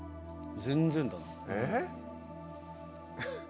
全然だな。